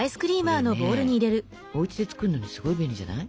これねおうちで作るのにすごい便利じゃない？